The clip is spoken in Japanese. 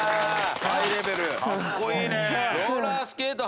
ローラースケート